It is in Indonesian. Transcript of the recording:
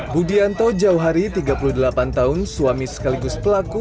budianto jauhari tiga puluh delapan tahun suami sekaligus pelaku